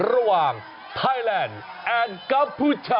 ระหว่างไทยแลนด์กัมพูชะ